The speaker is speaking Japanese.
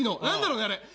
何だろうね？